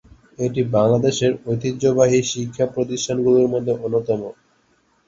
এটি বাংলাদেশের ঐতিহ্যবাহী শিক্ষা প্রতিষ্ঠানগুলোর মধ্যে অন্যতম।